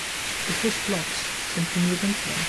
To push blocks, simply move into them.